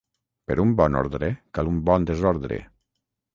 Per un bon ordre cal un bon desordre.